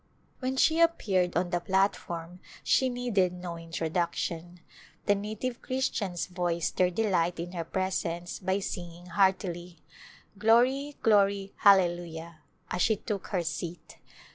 When she appeared on the platform she needed no introduction. The native Christians voiced their de light in her presence by singing heartily, " Glory, glory, hallelujah !" as she took her seat.